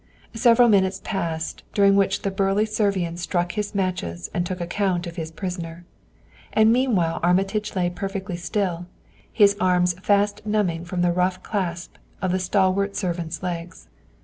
Several minutes passed during which the burly Servian struck his matches and took account of his prisoner; and meanwhile Armitage lay perfectly still, his arms fast numbing from the rough clasp of the stalwart servant's legs.